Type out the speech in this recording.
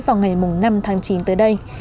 vào ngày năm tháng chín tới đây